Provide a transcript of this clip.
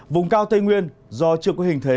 vùng cao tây nguyên do trường hình thế